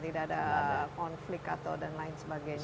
tidak ada konflik atau dan lain sebagainya